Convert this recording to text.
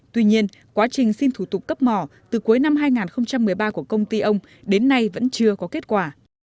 tuy nhiên quá trình xin thủ tục cấp mỏ từ cuối năm hai nghìn một mươi ba của công ty ông đến nay vẫn chưa có kết quả